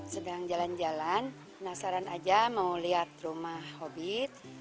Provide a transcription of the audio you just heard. sedang jalan jalan penasaran aja mau lihat rumah hobi